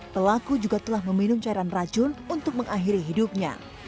pelaku juga telah meminum cairan racun untuk mengakhiri hidupnya